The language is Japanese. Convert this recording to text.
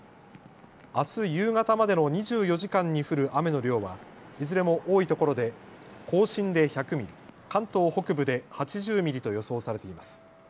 あす夕方までの２４時間に降る雨の量はいずれも多いところで甲信で１００ミリ、関東北部で８０ミリと予想されています。